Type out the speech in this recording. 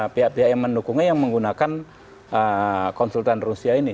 pihak pihak yang mendukungnya yang menggunakan konsultan rusia ini